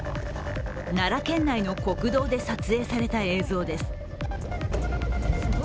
奈良県内の国道で撮影された映像です。